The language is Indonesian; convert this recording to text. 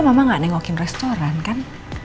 mama gak nengokin restoran kan